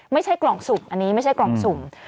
ไม่ใช่กล่องสุ่มอันนี้ไม่ใช่กล่องสุ่ม